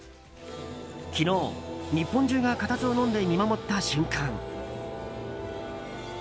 昨日、日本中が固唾をのんで見守った瞬間。